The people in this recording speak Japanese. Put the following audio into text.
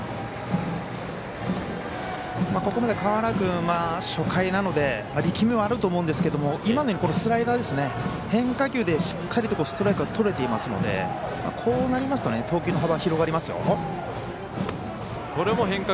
ここまで、川原君初回なので力みもあると思うんですけど今のスライダー変化球でしっかりとストライクがとれていますのでこうなりますと、投球の幅広がりますよ。